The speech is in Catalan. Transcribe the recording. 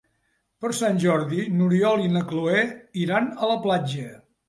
Per Sant Jordi n'Oriol i na Cloè iran a la platja.